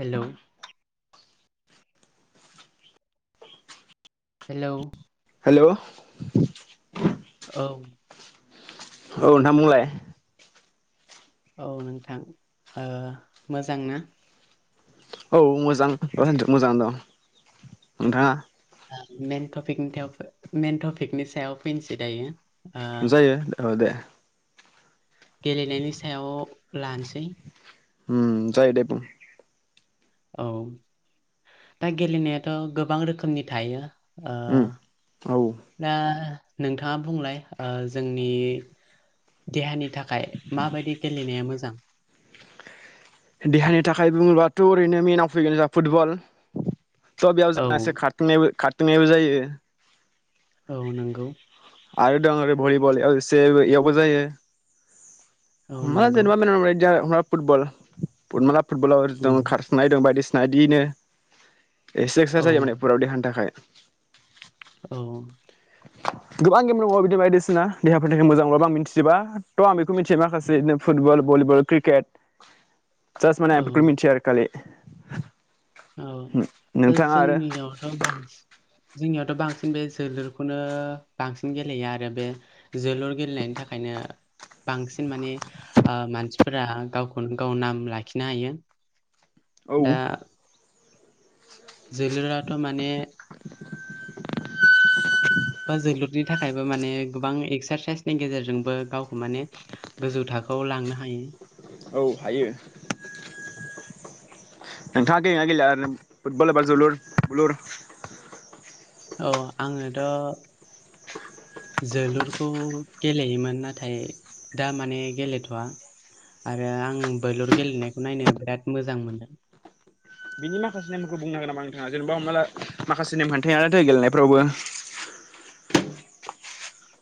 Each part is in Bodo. हेल' हेल' हेल' औ। औ नोंथां बुंलाय औ नोंथां ओ मोजां ना? औ मोजां मोजाङानो दं नोंथाङा? मेन टपिकनि थेव मेन टपिकनि सायाव फैनोसै दायो। ओ जायो औ दे। गेलेनायनि सायाव लानोसै हुम जायो दे बुं। औ दा गेलेनायाथ' गोबां रोखोमनि थायो। ओ उम औ दा नोंथाङा बुंलाय ओ जोंनि देहानि थाखाय माबायदि गेलेनाया मोजा जां? देहानि थाखाय बुङोबाथ' ओरैनो मेनाव फैगोन जोंहा फुटबल स' बेयाव औ जोंहा से खारथिंनायबो खार [unintelligible] जायो। औ नंगौ। आरो दं ओरै भलिबल [unintelligible] इयावबो जायो। औ [unintelligible] नंगौ ना फुटबल फर्मुला फुटबलाव उम [unintelligible] दं बायदिसि [unintelligible] एसे औ एक्सारसाइस जायो माने फुराव देहानि थाखाय। औ गोबां गेम दंबावो बिदि बायदिसिना देहाफोर थाखाय मोजां बाबो आं मिथिजोबा थ' आं बेखौ मिन्थियो माखासे बिदिनो फुटबल, भलिबल, क्रिकेट जास माने आं बेखोल' औ मोनथियो आरो खालि औ दा नोंथाङा आरो जोंनियावथ' बांसिन जोंनियावथ' बांसिन बे जोलुरखौनो बांसिन गेलेया आरो बे जोलुर गेलेनायनि थाखायनो बांसिन माने ओ मानसिफोरा गावखौनो गाव नाम लाखिनो हायो। औ दा जोलुरआथ' माने बा जोलुरनि थाखायबो माने गोबां एक्सारसाइसनि गेजेरजोंबो गावखौ माने गोजौ थाखोआव लांनो हायो। औ हायो नोंथाङा गेलेयो ना गेलेया आरो फुटबल एबा जोलुर बुलुर औ आङोथ' जोलुरखौ गेलेयोमोन नाथाय दा माने गेलेथ'वा आरो आं बोलुर गेलेनायखौ नायनो बिराद मोजां मोनदों। बिनि माखासे नेमखौ बुंनो हागोन नामा नोंथाङा जेनेबा हमना ला माखासे नेमखान्थि थायो [unintelligible] गेलेनायफ्रावबो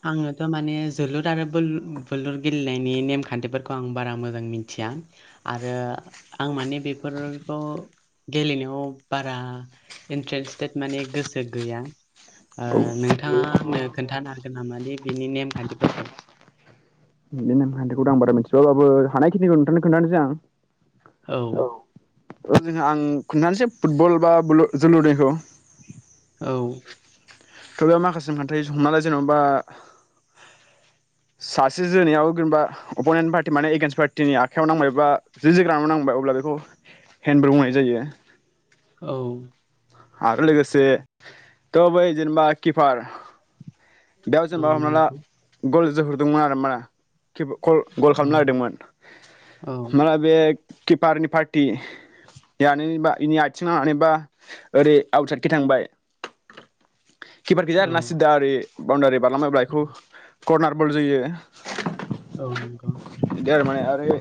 आङो टामाने माने जोलुर आरो बोल बोलुर गेलेनायनि नेमखान्थिफोरखौ आं बारा मोजां मिथिया आरो आं माने बेफोरखौ गेलेनायाव बारा इन्टारेस्टेद माने गोसो गैया ओ औ नोंथाङा आंनो खोन्थानो हा गोन नामा दे बिनि नेमखान्थिफोरखौ? खान्थिखौथ' आं बारा मिनथियाबाबो हानायखिनिखौ नोथांनो खोनथानोसै आं। औ औ जोंहा आं खोन्थानोसै फुटबल बा बोलुर जोलुरनिखौ औ थ' बेयाव माखासे खान्थि हमना ला जेनबा सासे जोनायाव जेनेबा अपनेन्ट पार्टि माने एगेेनस्ट पार्टिनि आखाइयाव नांबाय बा जि जोग्रानाव नांबाय अब्ला बेखौ हेनब्रे बुंनाय जायो। औ आरो लोगोसे थ' बै जेनेबा किपार दा औ जेनबा हमना ला नंगौ गल जोहरदोंमोन आरो मा [unintelligible] कल गल खालामनो औ नागिरदोंमोन औ हमना ला बे किपारनि पार्टि जानोबा इनि आथिं नांनानै बा ओरै आउटसाइडखै थांबाय। [unintelligible] औ आरोना सिदा ओरि बाउनदारि बारलांब्लायब्ला बेखौ करनार बल जोयो। औ नंगौ। ए माने ओरै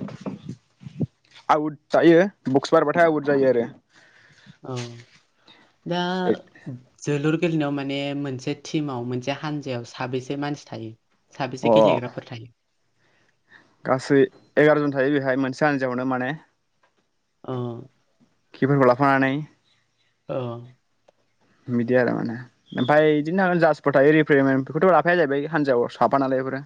आउट थायो बक्स बारबाथाय आउट जायो आरो औ दा जोलुर गेलेनायाव माने मोनसे टिमाव मोनसे हानजायाव साबेसे मानसि थायो? अ साबेसे गेलेग्राफोर थायो? गासै एगार'जन थायो बेहाय मोनसे हानजायावनो माने अ खिफोरखौ लाफानानै अ बिदि आरो माने ओमफाय बिदिनो हागोन जासफोर थायो रिफेमखौथ' लाफाया जाहैबाय हान्जायाव साफा नालाय बेफोरो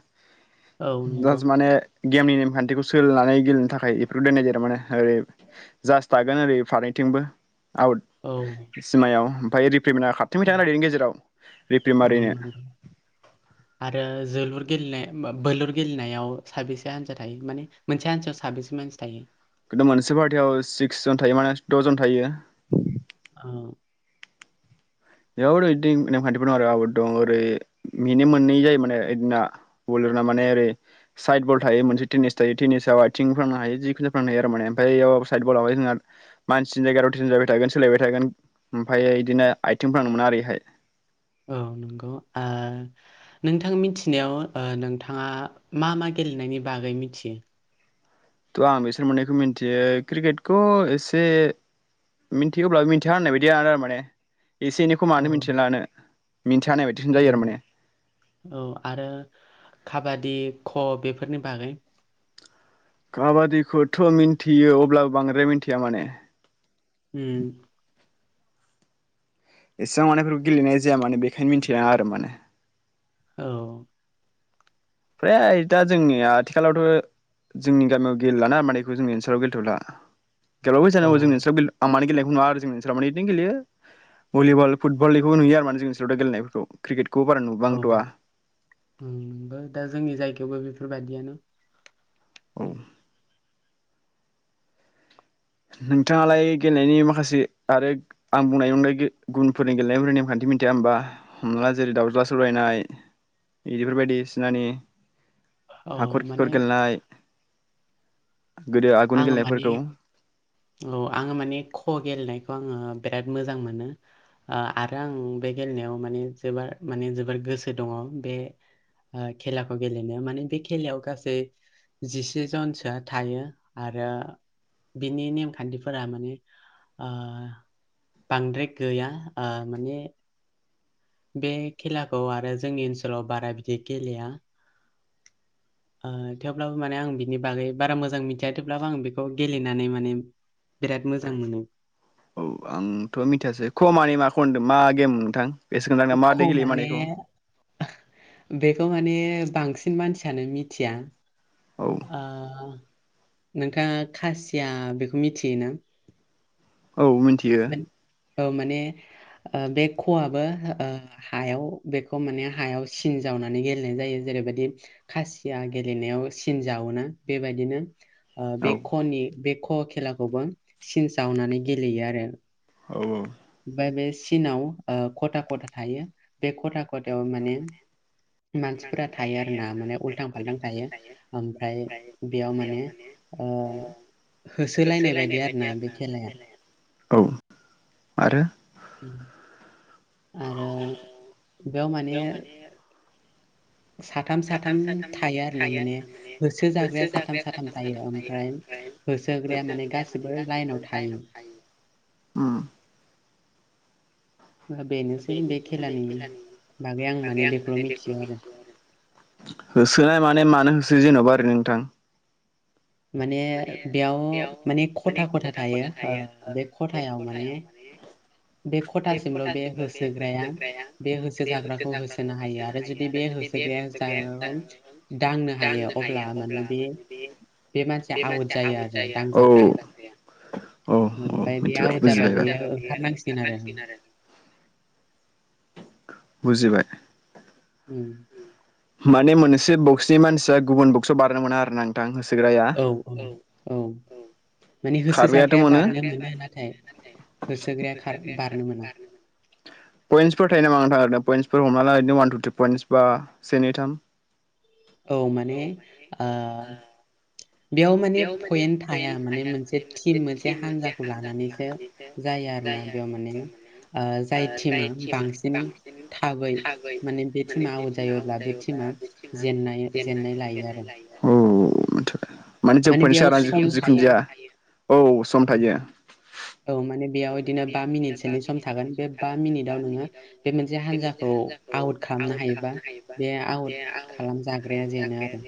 औ नंगौ दास माने गेमनि नेमखान्थिखौ सोलिनानै गेलेनो थाखाय बेफोरखौ दोननाय जादों माने ओरै जास थागोन ओरै फारनैथिंबो आउट औ सिमायाव फाये रिब प्रेमिनार खारथिंबाय थागोन ओरैनि गेजेराव रिपेम औ मारिनो नंगौ आरो जोलुर गेलेनाय बा बोलुर गेलेनायाव साबेसे हान्जा थायो माने मोनसे हान्जायाव साबेसे मानसि थायो खिन्थु मोनसे फार्टियाव सिक्स जन थायो माने दजन थायो औ [unintelligible] ओमफायो इदिनो [unintelligible] मोना ओरैहाय औ नोंगौ आ नोंथां मिथिनायाव ओ नोंथाङा मा मा गेलेनायनि बागै मिथियो थ' आं बिसोर मोननैखौ मिनथियो क्रिकेटखौ एसे मिनथियोब्ला मिनथिया होननाय बायदि [unintelligible] एसे एनैखौ औ मानो मिनथिना लानो मिन्थिया होननाय बायदिसिन जायो आरो माने उम औ आरो खाबादि ख बेफोरनि बागै खाबादिखौथ' मिनथियो अब्लाबो बांद्राय मिनथिया माने उम एसां मानेइफोरखौ गेलेनाय जाया मानोे बेखायनो मिनथिया आरो माने औ फ्राय दा जोंनिया आथिखालावथ' जोंनि गामियाव गेलेलाना माने इखौ जोंनि ओनसोलाव गेलेथ'ला [unintelligible] [unintelligible] औ जोंनि ओनसोलाव माने इदिनो गेलेयो भलिबल फुटबल इखौबो नुयो आरो माने जोंनि ओनसोलाव दा गेलेनायफोरखौ क्रिकेट औ उम [unintelligible] दा जोंनि जायगायावबो बेफोरबादियानो औ नोंथाङालाय गेलेनायनि माखासे आरोग आं बुंनाय उंनाय गो गुबुनफोरनि गेलेनायफोरनि नेमखान्थि मिनथिया होमबा हमला जेरै दावज्ला सौरायनाय इदिफोर बायदिसिनानि औ हाखर माने खिखर गेलनाय गोदो आगुनि आङो माने गेलेनायफोरखौ औ आङो माने ख' गेलेनायखौ आङो बेराद मोजां मोनो ओ आरो आं बे गेलेनायाव माने जोबोर माने जोबोर गोसो दङ' बे ओ खेलाखौ गेलेनो माने बे खेलायाव गासै जिसे जनसोआ थायो। आरो बिनि नेमखान्थिफोरा माने ओ बांद्राय गैया ओ माने बे खेलाखौ आरो जोंनि ओनसोलाव बारा बिदि गेलेया, ओ थेवब्लाबो माने आं बिनि बागै बारा मोजां मिनथिया थेवब्लाबो आं बेखौ गेलेनानै माने बिराद मोजां मोनो, औ आंथ' मिथियासै ख माने मा खनदो मा गेम नोंथां? [unintelligible] मादि गेलेयो माने बिखौ, बेखौ माने बांसिन मानसियानो मिथिया, औ आ नोंथाङा खासिया बेखौ मिथियोना? औ मिनथियो, मान- औ माने ओ बे खवाबो ओ हायाव बेखौ माने हायाव सिन जावनानै गेलेनाय जायो जेरैबायदि खासिया गेलेनायाव सिन जावोना बेबायदिनो, ओ औ बे खनि बेक ख' खेलाखौबो सिन जावनानै गेलेयो आरो औ औ ओमफाय बे सिनाव ओ खथा खथा थायो बे खथा कथायाव माने मानसिफोरा थायो आरो ना माने उल्थां फाल्थां थायो ओमफ्राय बेयाव माने ओ होसोलायनाय बायदि आरो ना बे खेलाया, औ आरो उ आरो बेयाव माने, साथाम साथाम थायो आरो ना माने होसो जाग्राया साथाम साथाम थायो ओमफ्राय होसो होग्राया माने गासिबो लाइनाव थायो, बेनोसै बे खेलानि आं बागै बेखौल' मिथिगौ आरो होसोनाय माने मानो होसो जेन'बा, नोंथां माने बेयाव माने खथा खथा थायो ओ बे खथायाव माने बे खथासिमल' बे होसोग्राया बे होसो जाग्राखौ होसोनो हायो आरो जुदि बे होसोग्राया जाग्रा दांनो हायो अब्ला माने बे, मानसिया आउट जायो आरो दांजाग्राया ओमफ्राय बे आउट जाबा बेयो ओंखारनांसिगोन आरो बुजिबाय उम माने मोनसे बक्सनि मानसिया गुबुन बक्सआव बारनो मोना आरो ना नोंथां होस औ औ औ माने होसोजाग्राया बारनो मोनो नाथाय होसोग्राया बारनो मोना, बेफोर हमना ला ओरैनो अवान टु थ्रि पइेन्टस बा से नै थाम औ माने आ बेयाव माने पइेन्टस थाया माने मोनसे टिम मोनसे हान्जाखौ लानानैसो जायो आरोना बेयाव माने जाय टिमा बांसिन थाबै माने बे टिमा आउत जायो अब्ला बे टिमा जेन जेननाय लायो आरो माने [unintelligible] बेयाव आरो सम जिखुनु थायो जाया औ सम थायो। औ माने बेयाव बिदिनो बा मिनिटसोनि सम थागोन बे बा मिनिटाव नोंङो बे मोनसे हानजाखौ आउट खालामनो हायोबा बे आउट खालामजाग्राया जेनो आरो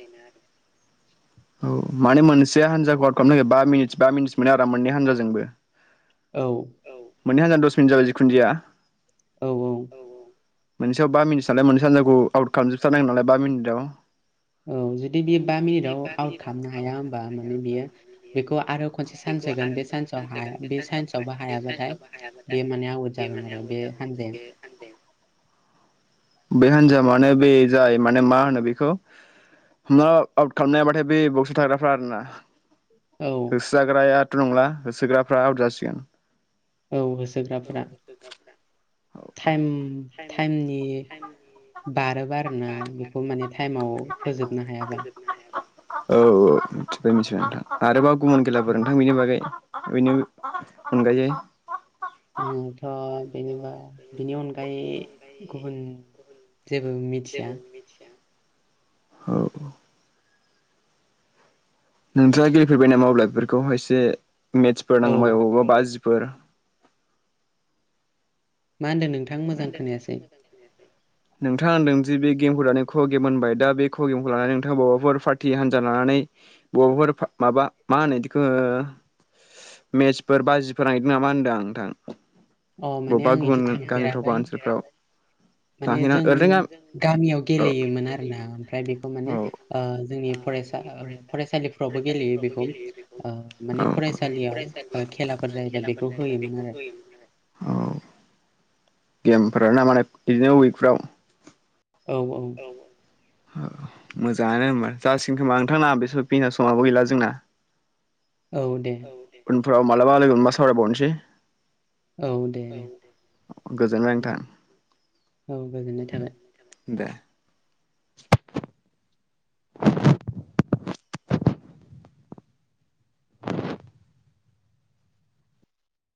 औ माने मोनसे हान्जाखौ आउत खालामनो नागिरबा बा मिनिटस बा मिनिट्स मोनो आरो मोननै हानजाजोंबो औ मोननै हानजाजों दस मिनिट जाबाय जिखुनु जाया औ औ मोनसेयाव बा मिनिटसालाय मोनसे हानजाखौ आउट खालामजोबथारनांगोन नालाय बा मिनिटाव औ जुदि बेयो बा मिनिटाव आउट खालामनो [unintelligible] हाया होमबा खालामनो हाया माने होनबा बियो बेयो बेखौ आरो खनसे चान्स बेखौ होगोन आरो बे चान्सआव खनसे हाया बे सान्स होगोन बे चान्सआवबो सानस बे हायाबाथाय सान्सावबो हायाबाथाय बे माने आउट बे जागोन माने आरो आउत बे जागोन हान्जाया आरो बे हानजाया बे हान्ज मा होनो बेखौ आउत खालामनो हायाबाथाय औ [unintelligible] होसो जाग्राया नंला होसोग्राफ्रा आउथ जासिगोन। औ होसोग्राफोरा टाइम टाइमनि बारोबा ओ बेखौ माने टाइमाव फोजोबनो हायाबा औ औ मिथिदो मिथिदो नोंथां। आरोबाव गुबुन खेलाफोर नोंथां बिनि बागै बेनि अनगायै नोंथां बेनि बा बेनि अनगायै गुबुन जेबो मिथिया औ नोंथांआ गेलेफोरबायना अब्ला बेफोरखौ एसे मेटसफोर औ नांबायबावबा बाज फोर मा होनदों नोंथां मोजां खोनायासै? नोंथांआ होनदों जि बे गेमफोरानो क' गेम होनबाय दा बे क' गेमखौ लानानै नोंथांआ बबावबाफोर पार्टि हान्जा लानानै बबावबाफोर माबा मा होनो इदिखो ओ मेत्सफोर बाजिफोर नांहैदों ना मा होन्दों आं नोथां। अ माने आं इदि थां गामिफ्राव बा ओनसोलफ्राव? माने थाहैना जों ओरैनो गामियाव गेलेयोमोन आरोना ओमफ्राय बे खौ माने आरोना ओ जोंनि फरायसा फरायसालिफ्रावबो गेलेयो बेखौ ओ माने फरायसालियाव ओ खेलाफोर जायोबा बेखौ होयोमोन आरो। आरो औ गेमफोरा ना माने बिदिनो उइकफ्राव औ औ मोजाङानो होनबा जासिगोन खोमा नोंथां ना [unintelligible] समाबो गैला जोंना। औ दे उनफोराव मालाबा लोगोमोनबा सावराय बावनोसै। औ दे दे, गोजोनबाय नोंथां औ गोजोननाय थाबाय। दे